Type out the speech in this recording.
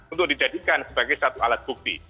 untuk dijadikan sebagai satu alat bukti